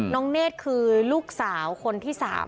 เนธคือลูกสาวคนที่๓